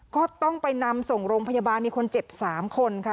ก็ต้องไปนำส่งโรงพยาบาลมีคนเจ็บ๓คนค่ะ